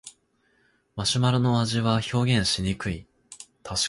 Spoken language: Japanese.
マシュマロの味は表現しにくい